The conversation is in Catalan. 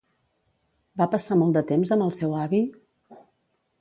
Va passar molt de temps amb el seu avi?